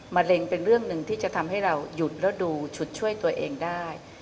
มะเร็งเป็นเรื่องหนึ่งที่จะทำให้เราหยุดแล้วดูฉุดช่วยตัวเองได้